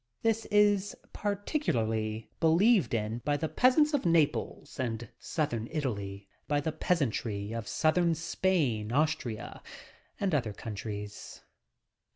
This is particularly be lieved in by the peasants of Naples and Southern Italy, by the peasantry of Southern Spain, Austria, and other countries.